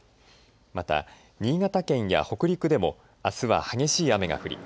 また新潟県や北陸でもあすは激しい雨が降り